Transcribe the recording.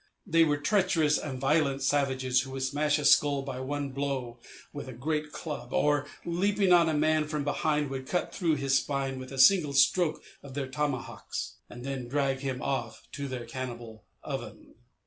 They were treacherous and violent savages who would smash a skull by one blow with a great club; or leaping on a man from behind, would cut through his spine with a single stroke of their tomahawks, and then drag him off to their cannibal oven.